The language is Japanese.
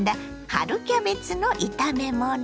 春キャベツの炒め物。